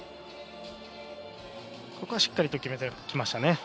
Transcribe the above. ここはしっかり決めてきました